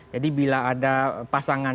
jadi bila ada pasangan